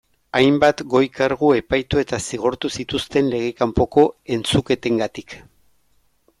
Hainbat goi kargu epaitu eta zigortu zituzten legez kanpoko entzuketengatik.